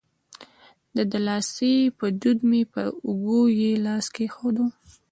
د دلاسایي په دود مې پر اوږه یې لاس کېښود.